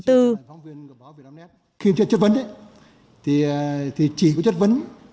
khi chất vấn ấy thì chỉ có chất vấn một số thành viên chính quyền